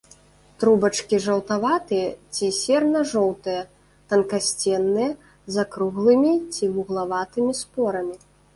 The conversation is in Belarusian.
Трубачкі жаўтаватыя ці серна-жоўтыя, танкасценныя, з акруглымі ці вуглаватымі спорамі.